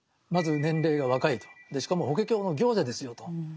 まず年齢が若いとしかも「法華経の行者」ですよと。